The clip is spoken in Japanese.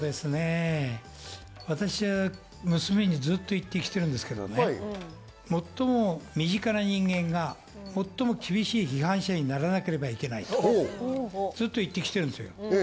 私は娘にずっと言ってきてるんですけど、最も身近な人間が最も厳しい批判者にならなければいけないと、ずっと言ってきてるんですよ。